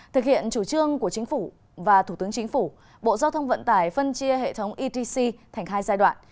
thực hiện chủ trương của chính phủ và thủ tướng chính phủ bộ giao thông vận tải phân chia hệ thống etc thành hai giai đoạn